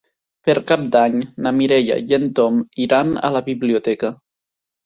Per Cap d'Any na Mireia i en Tom iran a la biblioteca.